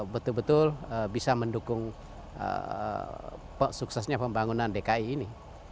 betul betul bisa mendukung suksesnya pembangunan dki ini